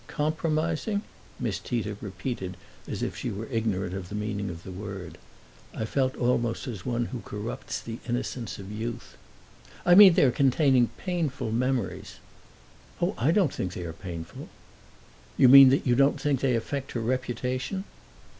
"Compromising?" Miss Tita repeated as if she was ignorant of the meaning of the word. I felt almost as one who corrupts the innocence of youth. "I mean their containing painful memories." "Oh, I don't think they are painful." "You mean you don't think they affect her reputation?"